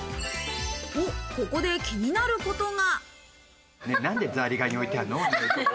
ここで気になることが。